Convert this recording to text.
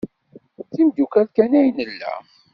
D imeddukal kan ay nella?